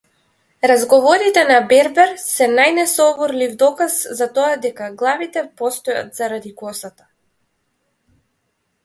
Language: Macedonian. Разговорите на бербер се најнесоборлив доказ за тоа дека главите постојат заради косата.